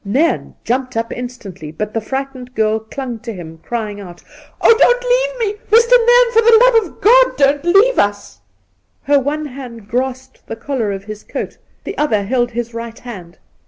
Nairn jumped up instantly, but the frightened girl clung to him, crying out :' Oh, don't leave me ! Mr. Nairn, for the love of God, don't leave us !' Her one hand grasped the collar of his coat, the other held his right hand.